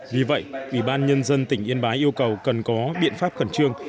vì vậy ủy ban nhân dân tỉnh yên bái yêu cầu cần có biện pháp khẩn trương